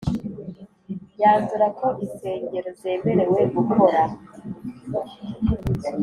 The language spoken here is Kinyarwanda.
yanzura ko insengero zemerewe gukora